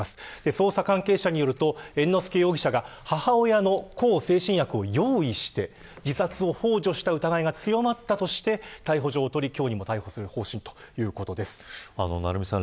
捜査関係者によると猿之助容疑者が母親の向精神薬を用意して自殺をほう助した疑いが強まったとして逮捕状を取り今日にも逮捕する方針ということです。